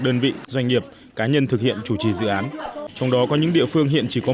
đơn vị doanh nghiệp cá nhân thực hiện chủ trì dự án trong đó có những địa phương hiện chỉ có